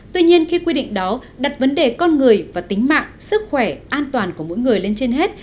tuy nhiên khi quy định đó đặt vấn đề con người và tính mạng sức khỏe an toàn của mỗi người lên trên hết